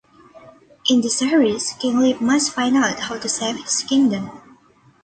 In the series, King Lief must find out how to save his kingdom.